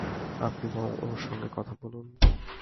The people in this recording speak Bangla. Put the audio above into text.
আপনি বরং ওঁর সঙ্গে কথা বলুন।